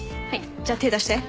じゃあ手出して。